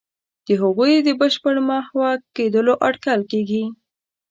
د هغوی د بشپړ محو کېدلو اټکل کېږي.